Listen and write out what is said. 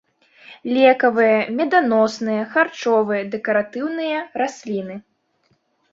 Лекавыя, меданосныя, харчовыя, дэкаратыўныя расліны.